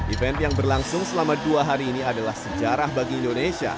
event yang berlangsung selama dua hari ini adalah sejarah bagi indonesia